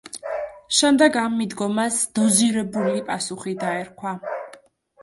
შემდეგ ამ მიდგომას „დოზირებული პასუხი“ დაერქვა.